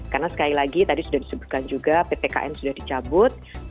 karena sekali lagi tadi sudah disebutkan juga ppkn sudah dicabut